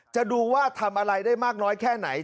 จะดูว่าทำอะไรได้มากน้อยแค่ไหน